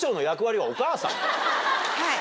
はい。